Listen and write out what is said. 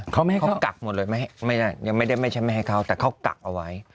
เขากักหมดเลยยังไม่ใช่ไม่ให้เขาแต่เขากักเอาไว้